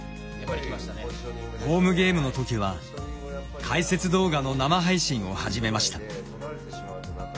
ホームゲームの時は解説動画の生配信を始めました。